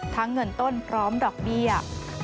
เงินต้นพร้อมดอกเบี้ย